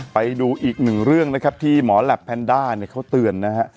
ไปดูอีกหนึ่งเรื่องนะครับที่หมอแหลปแพนด้าเนี่ยเขาเตือนนะฮะ